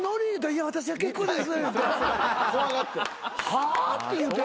「はあ！？」って言うて。